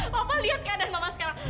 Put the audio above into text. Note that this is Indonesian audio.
bapak lihat keadaan mama sekarang